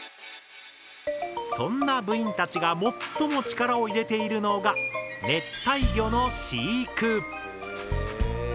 そんな部員たちが最も力を入れているのが熱帯魚の飼育。